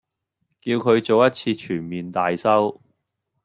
叫佢做一次全面大修